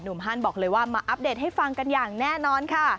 ฮันบอกเลยว่ามาอัปเดตให้ฟังกันอย่างแน่นอนค่ะ